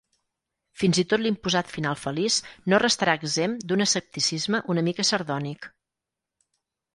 Fins i tot l'imposat final feliç no restarà exempt d'un escepticisme una mica sardònic.